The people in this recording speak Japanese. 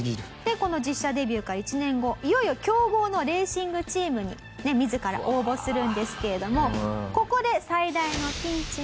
この実車デビューから１年後いよいよ強豪のレーシングチームに自ら応募するんですけれどもここで最大のピンチが訪れます。